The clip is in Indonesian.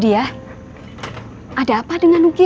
diah ada apa dengan nugi